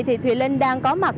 thì thủy linh đang có mặt